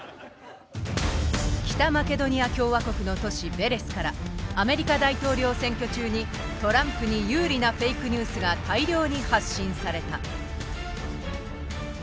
北マケドニア共和国の都市ヴェレスからアメリカ大統領選挙中にトランプに有利なフェイクニュースが大量に発信された。